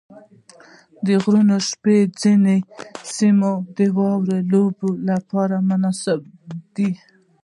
د غرونو منځ کې ځینې سیمې د واورې لوبو لپاره مناسبې دي.